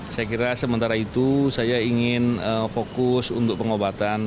saya kira sementara itu saya ingin fokus untuk pengobatan